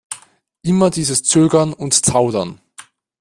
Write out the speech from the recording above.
Immer dieses Zögern und Zaudern!